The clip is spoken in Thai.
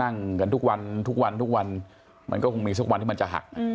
นั่งกันทุกวันทุกวันทุกวันมันก็คงมีสักวันที่มันจะหัก